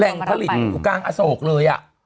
แหล่งเทพฤติลูกกลางอโสกเลย